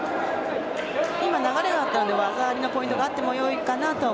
今、流れがあったので技ありのポイントがあってもいいと